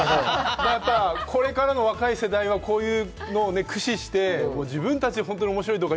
これからの若い世代はこういうのを駆使して自分たちで面白い動画を